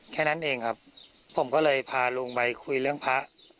แค่นั้นเองครับผมก็เลยพาลุงไปคุยเรื่องพระ